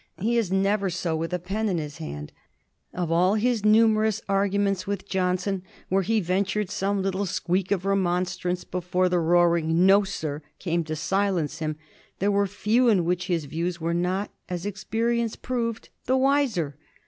He is never so with a pen in his hand. Of all his numerous arguments with Johnson, where he ventured some little squeak of remonstrance, before the roaring "No, sir!" came to silence him, there are few in which his views were not, as experience proved, the wiser.